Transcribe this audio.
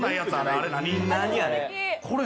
あれ何？